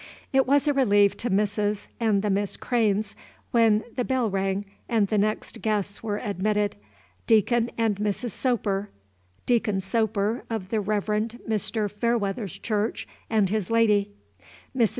It was a relief to Mrs. and the Miss Cranes when the bell rang and the next guests were admitted. Deacon and Mrs. Soper, Deacon Soper of the Rev. Mr. Fairweather's church, and his lady. Mrs.